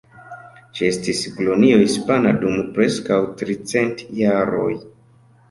Ĝi estis kolonio hispana dum preskaŭ tricent jaroj.